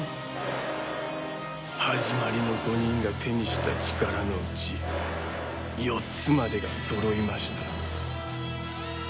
はじまりの５人が手にした力のうち４つまでがそろいました。